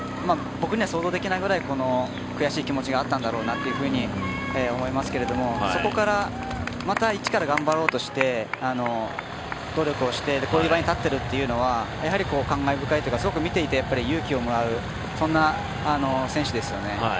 僕には想像できないぐらい悔しい気持ちがあったんだろうというふうに思いますけどそこから、また一から頑張ろうとして、努力をしてこういう場に立っているというのは感慨深いというかすごく見ていて勇気をもらうそんな選手ですよね。